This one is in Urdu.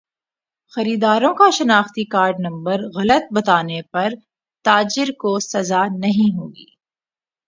خریداروں کا شناختی کارڈ نمبر غلط بتانے پر تاجر کو سزا نہیں ہوگی